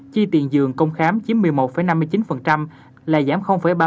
chi tiền dường công khám chiếm một mươi một năm mươi chín là giảm ba mươi bốn